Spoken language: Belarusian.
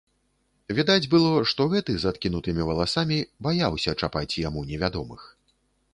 Відаць было, што гэты, з адкінутымі валасамі, баяўся чапаць яму невядомых.